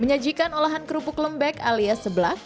menyajikan olahan kerupuk lembek alias seblak